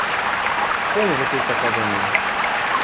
Como você está fazendo?